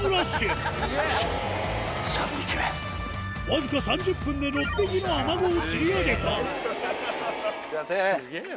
わずか３０分で６匹のアマゴを釣り上げたすいません。